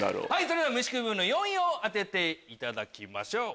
それでは虫食い部分の４位を当てていただきましょう。